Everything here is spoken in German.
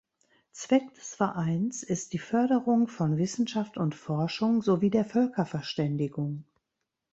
Zweck des Vereins ist die Förderung von Wissenschaft und Forschung sowie der Völkerverständigung.